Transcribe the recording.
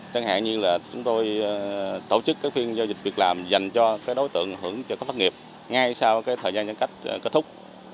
chẳng hạn như là chúng tôi tổ chức các phiên giao dịch việc làm dành cho cái đối tượng hưởng cho các thất nghiệp ngay sau cái thời gian giãn cách kết thúc